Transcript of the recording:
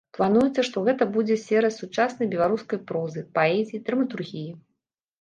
Плануецца, што гэта будзе серыя сучаснай беларускай прозы, паэзіі, драматургіі.